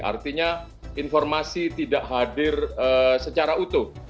artinya informasi tidak hadir secara utuh